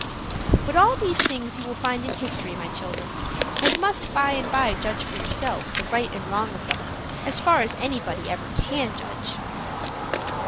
But all these things you will find in history, my children, and must by and by judge for yourselves the right and wrong of them, as far as anybody ever can judge.